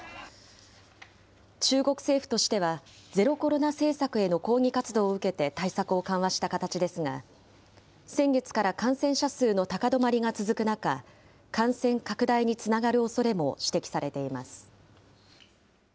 中国政府としては、ゼロコロナ政策への抗議活動を受けて対策を緩和した形ですが、先月から感染者数の高止まりが続く中、感染拡大につながるおそれも指摘されています。